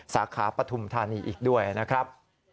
สาขาปฐุมธานีอีกด้วยนะครับ